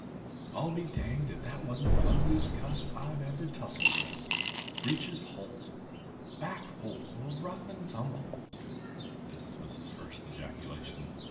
"I'll be danged if that wan't the ugliest cuss as ever I tusseled with, breeches holt, back holt or rough and tumble." This was his first ejaculation.